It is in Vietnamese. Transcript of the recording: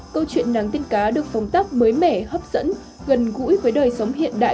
câu chuyện nàng tiên cá được phóng tác mới mẻ hấp dẫn gần gũi với đời sống hiện đại